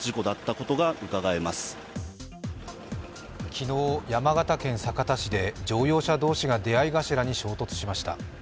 昨日、山形県酒田市で乗用車同士が出合い頭に衝突しました。